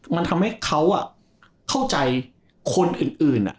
มันทำให้เขาเข้าใจคนอื่น